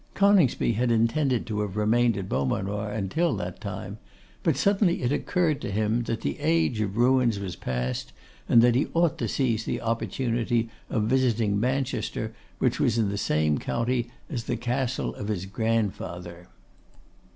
Coningsby had intended to have remained at Beaumanoir until that time; but suddenly it occurred to him, that the Age of Ruins was past, and that he ought to seize the opportunity of visiting Manchester, which was in the same county as the castle of his grandfather.